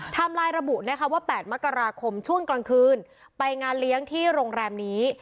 ไลน์ระบุนะคะว่า๘มกราคมช่วงกลางคืนไปงานเลี้ยงที่โรงแรมนี้